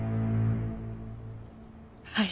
はい。